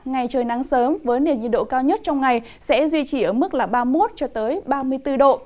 ngày trời nắng sớm với nền nhiệt độ cao nhất trong ngày sẽ duy trì ở mức ba mươi một ba mươi bốn độ